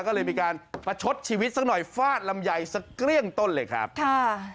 ก็เลยมีการประชดชีวิตสักหน่อยฟาดลำไยสักเกลี้ยงต้นเลยครับค่ะ